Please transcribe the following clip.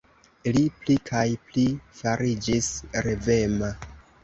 Li pli kaj pli fariĝis revema.